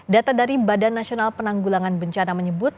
data dari badan nasional penanggulangan bencana menyebut